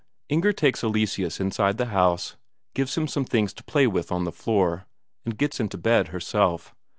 Inger takes Eleseus inside the house, gives him some things to play with on the floor, and gets into bed herself.